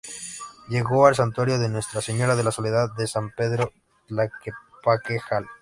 Llegó al santuario de Nuestra Señora de la Soledad de San Pedro Tlaquepaque, Jal.